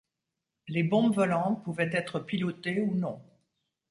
Les bombes volantes pouvaient être pilotées ou non.